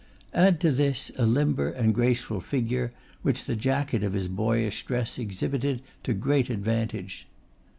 Add to this, a limber and graceful figure, which the jacket of his boyish dress exhibited to great advantage.